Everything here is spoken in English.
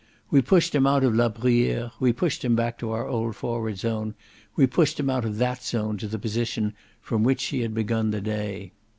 We pushed him out of La Bruyere, we pushed him back to our old forward zone, we pushed him out of that zone to the position from which he had begun the day.